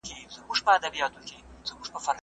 زه به سبزيجات خوړلي وي.